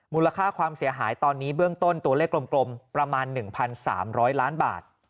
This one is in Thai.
มูลค่าความเสียหายตอนนี้เบื้องต้นตัวเลขกลมประมาณ๑๓๐๐ล้านบาท